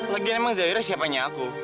lagi emang zaira siapanya aku